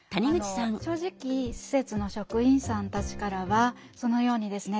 正直施設の職員さんたちからはそのようにですね